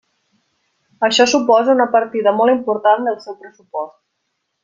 Això suposa una partida molt important del seu pressupost.